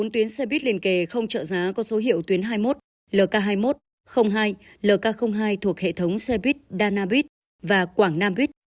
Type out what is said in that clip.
bốn tuyến xe buýt liền kề không trợ giá có số hiệu tuyến hai mươi một lk hai mươi một hai lk hai thuộc hệ thống xe buýt đa nam bít và quảng nam bít